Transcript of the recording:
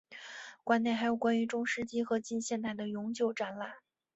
馆内还有关于中世纪和近现代的永久展览。